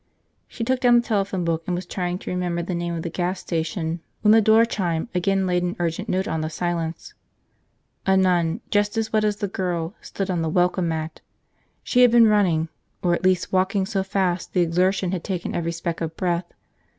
She took down the telephone book and was trying to remember the name of the gas station when the door chime again laid an urgent note on the silence. A nun, just as wet as the girl, stood on the welcome mat. She had been running, or at least walking so fast the exertion had taken every speck of breath.